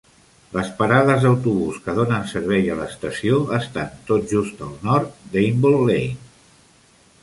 Les parades d'autobús que donen servei a l'estació estan tot just al nord d'Hamble Lane.